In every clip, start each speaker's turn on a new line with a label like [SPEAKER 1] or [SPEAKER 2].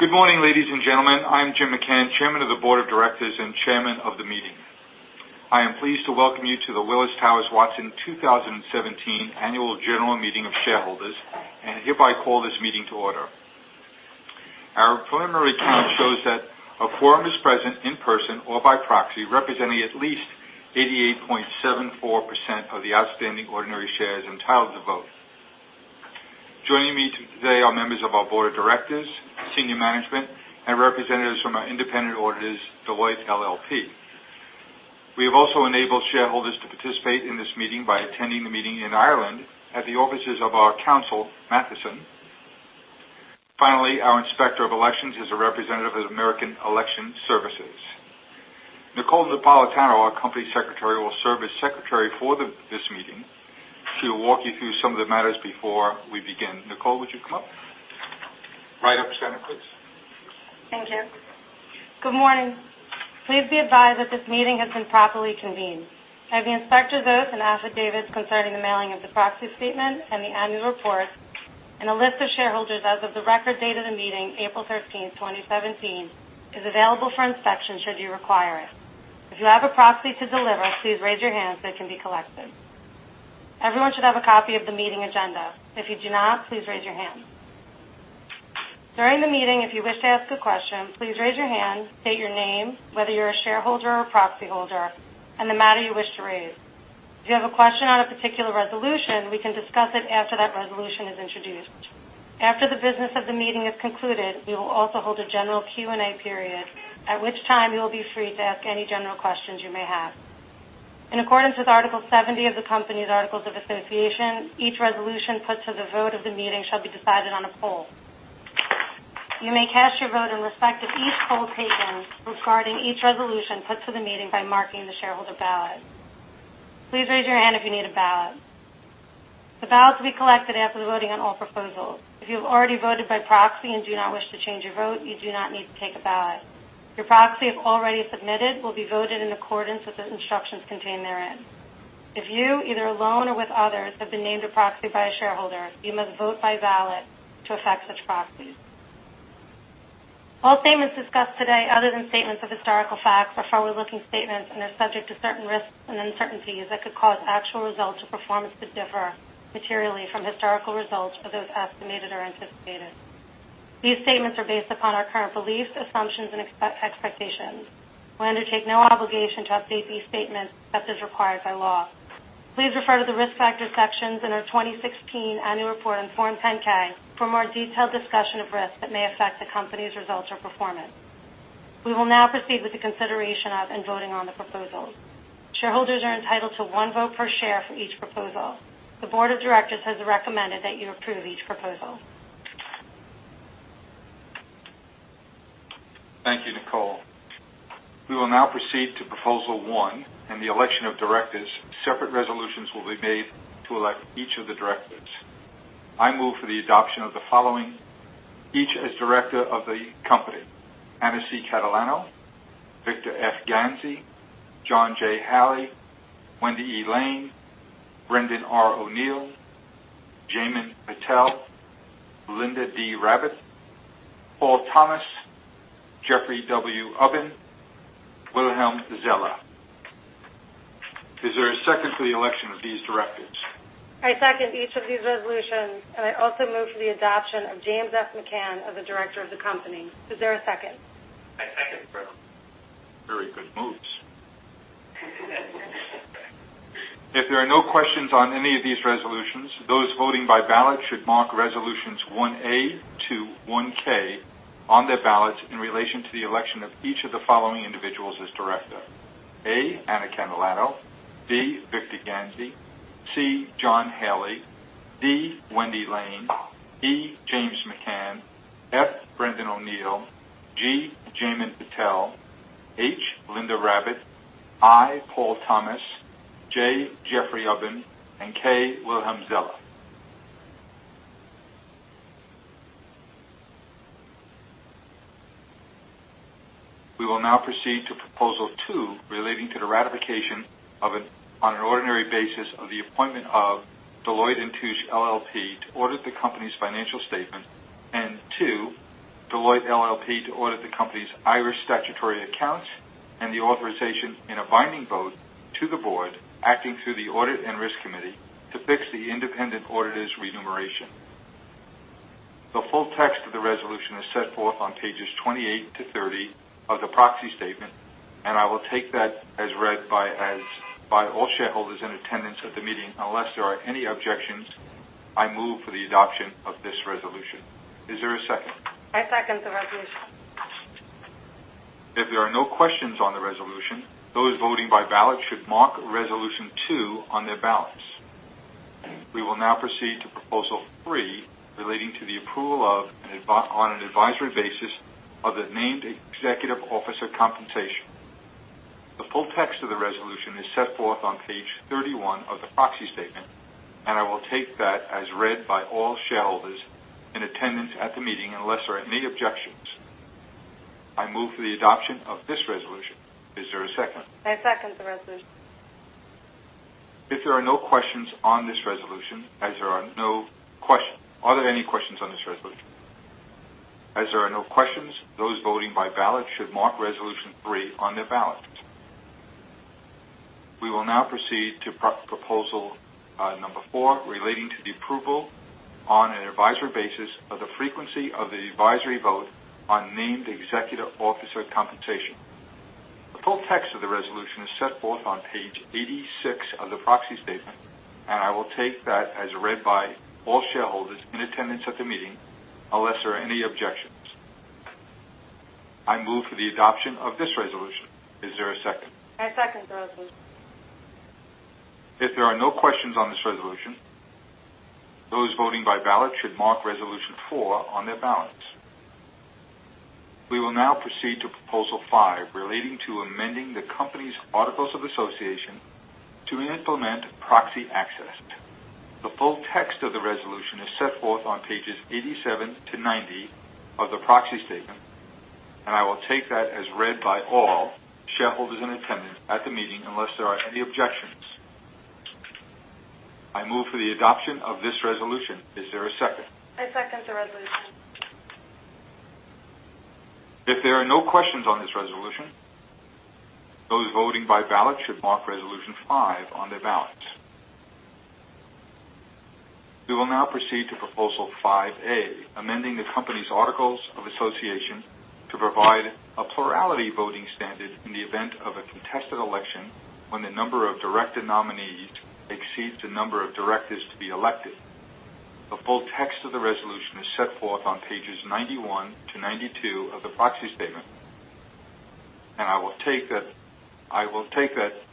[SPEAKER 1] Good morning, ladies and gentlemen. I'm Jim McCann, chairman of the board of directors and chairman of the meeting. I am pleased to welcome you to the Willis Towers Watson 2017 annual general meeting of shareholders, and hereby call this meeting to order. Our preliminary count shows that a quorum is present in person or by proxy, representing at least 88.74% of the outstanding ordinary shares entitled to vote. Joining me today are members of our board of directors, senior management, and representatives from our independent auditors, Deloitte LLP. We have also enabled shareholders to participate in this meeting by attending the meeting in Ireland at the offices of our council, Matheson. Finally, our inspector of elections is a representative of American Election Services. Nicole Napolitano, our company secretary, will serve as secretary for this meeting. She'll walk you through some of the matters before we begin. Nicole, would you come up? Right up center, please.
[SPEAKER 2] Thank you. Good morning. Please be advised that this meeting has been properly convened. I have the inspector's oath and affidavits concerning the mailing of the proxy statement and the annual report, and a list of shareholders as of the record date of the meeting, April 13th, 2017, is available for inspection should you require it. If you have a proxy to deliver, please raise your hand so it can be collected. Everyone should have a copy of the meeting agenda. If you do not, please raise your hand. During the meeting, if you wish to ask a question, please raise your hand, state your name, whether you're a shareholder or proxy holder, and the matter you wish to raise. If you have a question on a particular resolution, we can discuss it after that resolution is introduced. After the business of the meeting is concluded, we will also hold a general Q&A period, at which time you will be free to ask any general questions you may have. In accordance with Article 70 of the company's articles of association, each resolution put to the vote of the meeting shall be decided on a poll. You may cast your vote in respect of each poll taken regarding each resolution put to the meeting by marking the shareholder ballot. Please raise your hand if you need a ballot. The ballots will be collected after the voting on all proposals. If you have already voted by proxy and do not wish to change your vote, you do not need to take a ballot. Your proxy, if already submitted, will be voted in accordance with the instructions contained therein. If you, either alone or with others, have been named a proxy by a shareholder, you must vote by ballot to affect such proxy. All statements discussed today, other than statements of historical fact, are forward-looking statements and are subject to certain risks and uncertainties that could cause actual results or performance to differ materially from historical results for those estimated or anticipated. These statements are based upon our current beliefs, assumptions, and expectations. We undertake no obligation to update these statements except as required by law. Please refer to the Risk Factor sections in our 2016 annual report on Form 10-K for more detailed discussion of risks that may affect the company's results or performance. We will now proceed with the consideration of and voting on the proposals. Shareholders are entitled to one vote per share for each proposal. The board of directors has recommended that you approve each proposal.
[SPEAKER 1] Thank you, Nicole. We will now proceed to proposal one and the election of directors. Separate resolutions will be made to elect each of the directors. I move for the adoption of the following, each as director of the company: Anna C. Catalano, Victor F. Ganzi, John J. Haley, Wendy E. Lane, Brendan R. O'Neill, Jaymin Patel, Linda D. Rabbitt, Paul Thomas, Jeffrey W. Ubben, Wilhelm Zeller. Is there a second for the election of these directors?
[SPEAKER 2] I second each of these resolutions. I also move for the adoption of James F. McCann as a director of the company. Is there a second? I second.
[SPEAKER 1] Very good moves. If there are no questions on any of these resolutions, those voting by ballot should mark resolutions 1A to 1K on their ballots in relation to the election of each of the following individuals as director. A, Anna Catalano, B, Victor Ganzi, C, John Haley, D, Wendy Lane, E, James McCann, F, Brendan O'Neill, G, Jaymin Patel, H, Linda Rabbitt, I, Paul Thomas, J, Jeffrey Ubben, and K, Wilhelm Zeller. We will now proceed to proposal two relating to the ratification on an ordinary basis of the appointment of Deloitte & Touche LLP to audit the company's financial statement and two, Deloitte LLP to audit the company's Irish statutory accounts and the authorization in a binding vote to the board acting through the audit and risk committee to fix the independent auditor's remuneration. The full text of the resolution is set forth on pages 28 to 30 of the proxy statement, I will take that as read by all shareholders in attendance at the meeting. Unless there are any objections, I move for the adoption of this resolution. Is there a second?
[SPEAKER 2] I second the resolution.
[SPEAKER 1] If there are no questions on the resolution, those voting by ballot should mark resolution 2 on their ballots. We will now proceed to proposal 3 relating to the approval on an advisory basis of the named executive officer compensation. The full text of the resolution is set forth on page 31 of the proxy statement, I will take that as read by all shareholders in attendance at the meeting. Unless there are any objections, I move for the adoption of this resolution. Is there a second?
[SPEAKER 2] I second the resolution.
[SPEAKER 1] If there are no questions on this resolution, as there are no questions. Are there any questions on this resolution? As there are no questions, those voting by ballot should mark resolution three on their ballots. We will now proceed to proposal number four, relating to the approval on an advisory basis of the frequency of the advisory vote on named executive officer compensation. The full text of the resolution is set forth on page 86 of the proxy statement, I will take that as read by all shareholders in attendance at the meeting, unless there are any objections. I move for the adoption of this resolution. Is there a second?
[SPEAKER 2] I second the resolution.
[SPEAKER 1] If there are no questions on this resolution, those voting by ballot should mark resolution four on their ballots. We will now proceed to proposal five relating to amending the company's articles of association to implement proxy access. The full text of the resolution is set forth on pages 87-90 of the proxy statement, I will take that as read by all shareholders in attendance at the meeting, unless there are any objections. I move for the adoption of this resolution. Is there a second?
[SPEAKER 2] I second the resolution.
[SPEAKER 1] If there are no questions on this resolution, those voting by ballot should mark resolution five on their ballots. We will now proceed to proposal 5A, amending the company's articles of association to provide a plurality voting standard in the event of a contested election when the number of director nominees exceeds the number of directors to be elected. The full text of the resolution is set forth on pages 91 to 92 of the proxy statement, and I will take that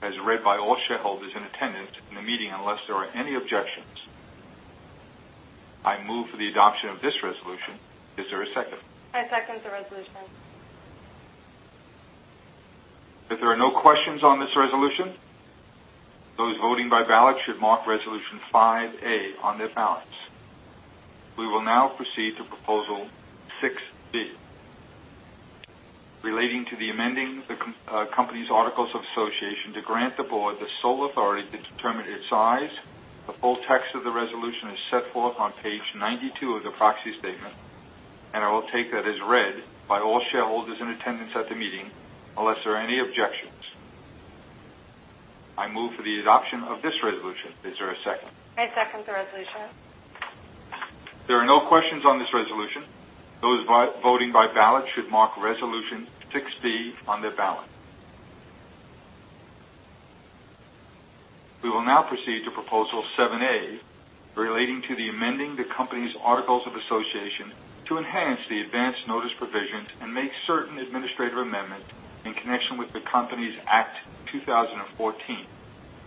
[SPEAKER 1] as read by all shareholders in attendance in the meeting, unless there are any objections. I move for the adoption of this resolution. Is there a second?
[SPEAKER 2] I second the resolution.
[SPEAKER 1] If there are no questions on this resolution, those voting by ballot should mark resolution 5A on their ballots. We will now proceed to proposal 6B, relating to the amending the company's articles of association to grant the board the sole authority to determine its size. The full text of the resolution is set forth on page 92 of the proxy statement, and I will take that as read by all shareholders in attendance at the meeting, unless there are any objections. I move for the adoption of this resolution. Is there a second?
[SPEAKER 2] I second the resolution.
[SPEAKER 1] If there are no questions on this resolution, those voting by ballot should mark resolution 6B on their ballot. We will now proceed to proposal 7A relating to the amending the company's articles of association to enhance the advance notice provisions and make certain administrative amendments in connection with the Companies Act 2014.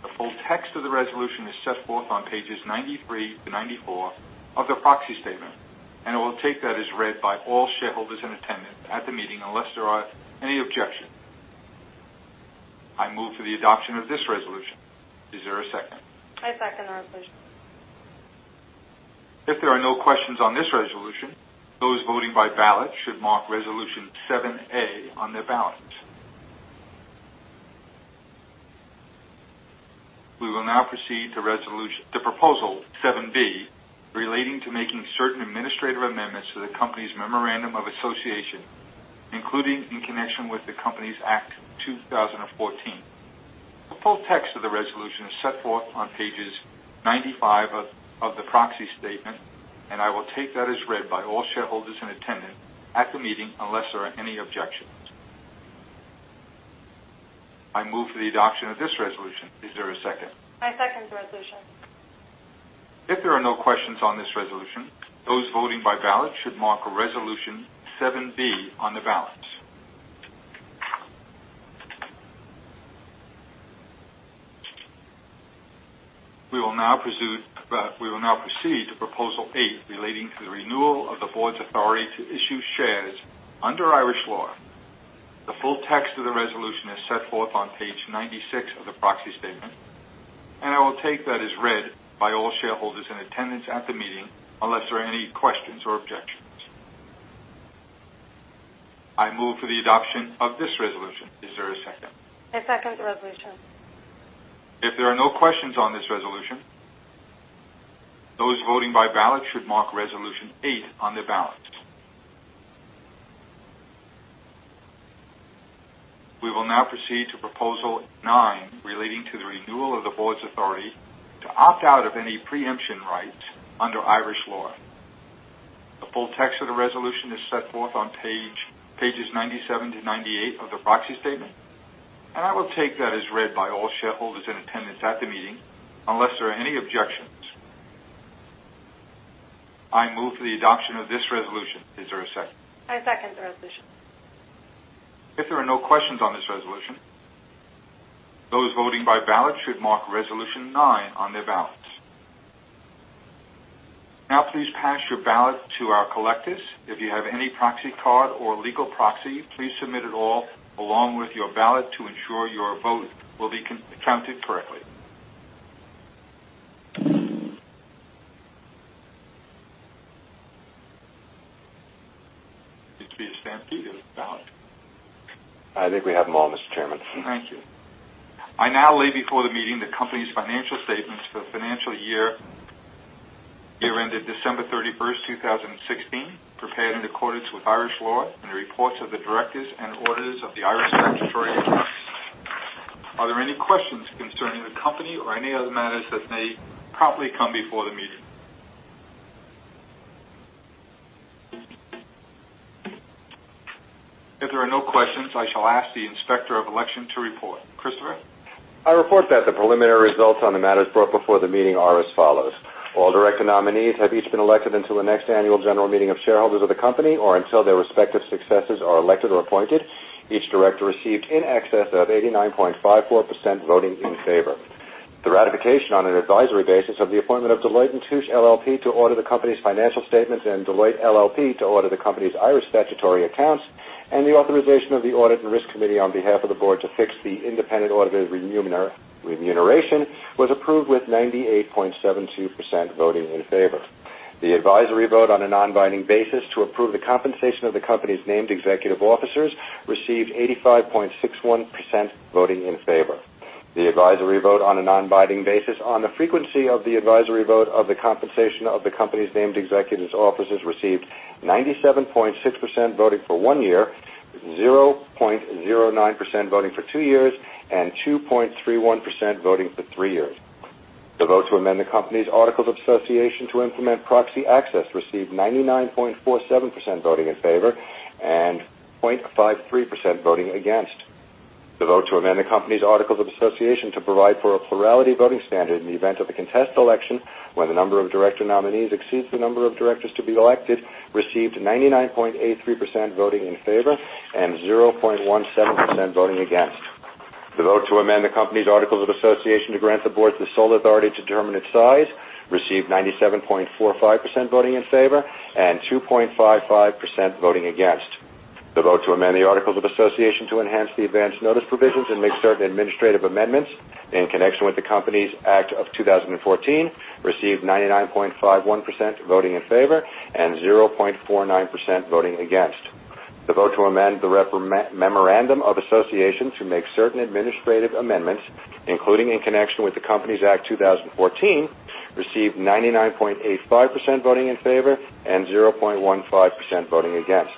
[SPEAKER 1] The full text of the resolution is set forth on pages 93-94 of the proxy statement, and I will take that as read by all shareholders in attendance at the meeting, unless there are any objections. I move for the adoption of this resolution. Is there a second?
[SPEAKER 2] I second the resolution.
[SPEAKER 1] If there are no questions on this resolution, those voting by ballot should mark resolution 7A on their ballots. We will now proceed to proposal 7B relating to making certain administrative amendments to the company's memorandum of association, including in connection with the Companies Act 2014. The full text of the resolution is set forth on pages 95 of the proxy statement, and I will take that as read by all shareholders in attendance at the meeting, unless there are any objections. I move for the adoption of this resolution. Is there a second?
[SPEAKER 2] I second the resolution.
[SPEAKER 1] If there are no questions on this resolution, those voting by ballot should mark resolution 7B on their ballots. We will now proceed to proposal eight relating to the renewal of the board's authority to issue shares under Irish law. The full text of the resolution is set forth on page 96 of the proxy statement, I will take that as read by all shareholders in attendance at the meeting, unless there are any questions or objections. I move for the adoption of this resolution. Is there a second?
[SPEAKER 2] I second the resolution.
[SPEAKER 1] If there are no questions on this resolution, those voting by ballot should mark resolution eight on their ballots. We will now proceed to proposal nine relating to the renewal of the board's authority to opt out of any pre-emption rights under Irish law. The full text of the resolution is set forth on pages 97 to 98 of the proxy statement, I will take that as read by all shareholders in attendance at the meeting, unless there are any objections. I move for the adoption of this resolution. Is there a second?
[SPEAKER 2] I second the resolution.
[SPEAKER 1] If there are no questions on this resolution, those voting by ballot should mark resolution nine on their ballots. Please pass your ballot to our collectors. If you have any proxy card or legal proxy, please submit it all along with your ballot to ensure your vote will be counted correctly.
[SPEAKER 3] I think we have them all, Mr. Chairman.
[SPEAKER 1] Thank you. I now lay before the meeting the company's financial statements for the financial year ended December 31st, 2016, prepared in accordance with Irish law, and the reports of the directors and auditors of the Irish statutory accounts. Are there any questions concerning the company or any other matters that may properly come before the meeting? If there are no questions, I shall ask the Inspector of Election to report. Christopher?
[SPEAKER 3] I report that the preliminary results on the matters brought before the meeting are as follows. All director nominees have each been elected until the next annual general meeting of shareholders of the company or until their respective successors are elected or appointed. Each director received in excess of 89.54% voting in favor. The ratification on an advisory basis of the appointment of Deloitte & Touche LLP to audit the company's financial statements and Deloitte LLP to audit the company's Irish statutory accounts, and the authorization of the audit and risk committee on behalf of the board to fix the independent auditor remuneration was approved with 98.72% voting in favor. The advisory vote on a non-binding basis to approve the compensation of the company's named executive officers received 85.61% voting in favor. The advisory vote on a non-binding basis on the frequency of the advisory vote of the compensation of the company's named executives officers received 97.6% voting for one year, 0.09% voting for two years, and 2.31% voting for three years. The vote to amend the company's articles of association to implement proxy access received 99.47% voting in favor and 0.53% voting against. The vote to amend the company's articles of association to provide for a plurality voting standard in the event of a contested election, where the number of director nominees exceeds the number of directors to be elected, received 99.83% voting in favor and 0.17% voting against. The vote to amend the company's articles of association to grant the board the sole authority to determine its size received 97.45% voting in favor and 2.55% voting against. The vote to amend the articles of association to enhance the advance notice provisions and make certain administrative amendments in connection with the Companies Act 2014 received 99.51% voting in favor and 0.49% voting against. The vote to amend the memorandum of association to make certain administrative amendments, including in connection with the Companies Act 2014, received 99.85% voting in favor and 0.15% voting against.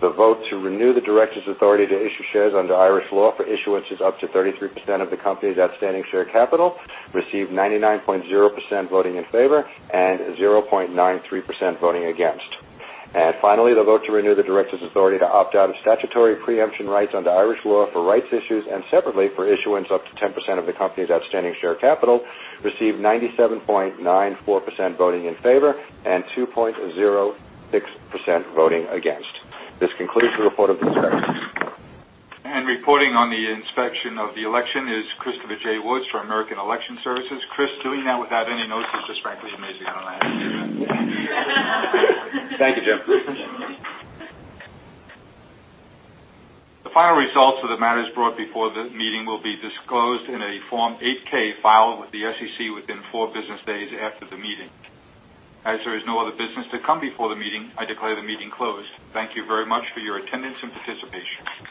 [SPEAKER 3] The vote to renew the directors' authority to issue shares under Irish law for issuances up to 33% of the company's outstanding share capital received 99.0% voting in favor and 0.93% voting against. Finally, the vote to renew the directors' authority to opt out of statutory preemption rights under Irish law for rights issues, and separately, for issuance up to 10% of the company's outstanding share capital, received 97.94% voting in favor and 2.06% voting against. This concludes the report of the Inspector.
[SPEAKER 1] Reporting on the inspection of the election is Christopher J. Woods from American Election Services. Chris, doing that without any notes is just frankly amazing. I don't know how you do that.
[SPEAKER 3] Thank you, Jim.
[SPEAKER 1] The final results of the matters brought before the meeting will be disclosed in a Form 8-K filed with the SEC within four business days after the meeting. As there is no other business to come before the meeting, I declare the meeting closed. Thank you very much for your attendance and participation.